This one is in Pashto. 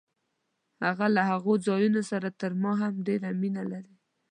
هغه له هغو ځایونو سره تر ما هم ډېره مینه لري.